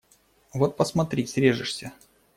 Вот, посмотри, срежешься!..